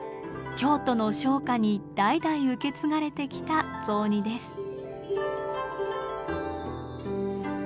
京都の商家に代々受け継がれてきた雑煮です。